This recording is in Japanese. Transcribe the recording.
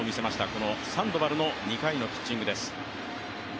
このサンドバルの２回のピッチングです。